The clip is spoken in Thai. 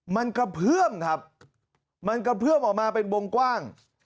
มันกระเพื่อมครับมันกระเพื่อมออกมาเป็นวงกว้าง